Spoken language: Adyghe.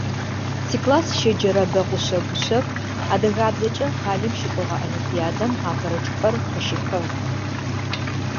Тикласс щеджэрэ Бэгъушъэ Гушъэф адыгабзэмкӀэ къалэм щыкӀогъэ олимпиадэм апэрэ чӀыпӀэр къыщихьыгъ.